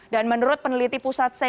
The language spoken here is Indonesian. dan menurut peneliti pusat